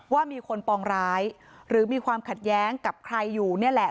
ว่ามีคนปองร้ายหรือมีความขัดแย้งกับใครอยู่นี่แหละ